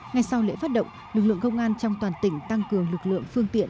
ngay sau lễ phát động lực lượng công an trong toàn tỉnh tăng cường lực lượng phương tiện